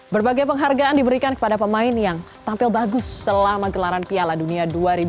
berbagai penghargaan diberikan kepada pemain yang tampil bagus selama gelaran piala dunia dua ribu dua puluh